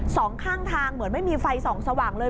สองข้างทางเหมือนไม่มีไฟส่องสว่างเลย